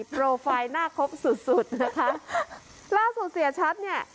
โปรไฟล์หน้าครบสุดสุดนะคะล่าสุดเสียชัดเนี่ย